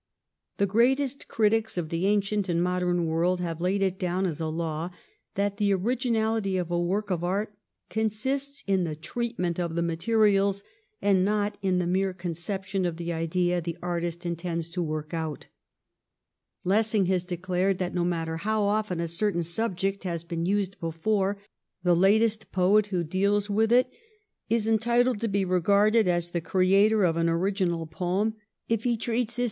The greatest critics of the ancient and modern world have laid it down as a law that the originality of a work of art consists in the treatment of the materials, and not in the mere conception of the idea the artist intends to work out. Lessing has declared that no matter how often a certain subject has been used before, the latest poet who deals with it is entitled to be regarded as the creator of an original poem if he treats his 240 THE REIGN OF QUEEN ANNE. ch. xxxn.